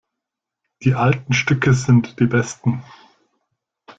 Die alten Stücke sind die besten.